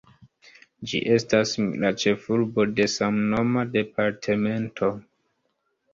Ĝi estas la ĉefurbo de samnoma departemento.